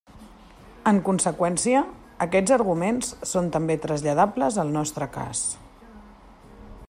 En conseqüència, aquests arguments són també traslladables al nostre cas.